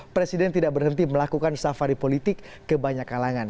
presiden tidak berhenti melakukan safari politik ke banyak kalangan